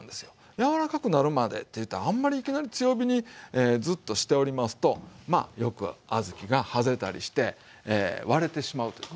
柔らかくなるまでっていったらあんまりいきなり強火にずっとしておりますとよく小豆がはぜたりして割れてしまうということがある。